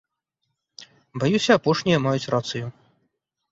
Баюся, апошнія маюць рацыю.